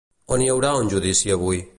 On hi haurà un judici avui?